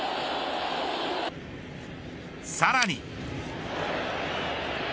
さらに。